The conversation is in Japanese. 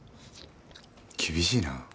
厳しいな。